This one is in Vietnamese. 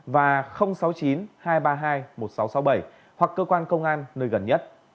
và sáu mươi chín hai trăm ba mươi hai một nghìn sáu trăm sáu mươi bảy hoặc cơ quan công an nơi gần nhất